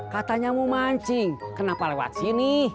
katanya mau mancing kenapa lewat sini